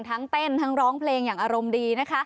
ทั้งเต้นทั้งร้องเพลงอย่างอารมณ์ดีนะคะ